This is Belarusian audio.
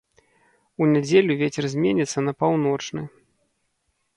У нядзелю вецер зменіцца на паўночны.